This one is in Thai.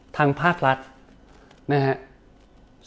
ทางภาครัฐนะครับ